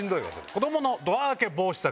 子供のドア開け防止策